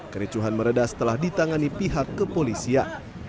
kericuhan meredah setelah ditangani pihak kepolisian